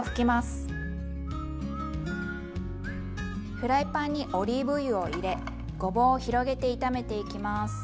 フライパンにオリーブ油を入れごぼうを広げて炒めていきます。